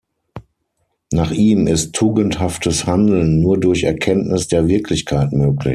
Nach ihm ist tugendhaftes Handeln nur durch Erkenntnis der Wirklichkeit möglich.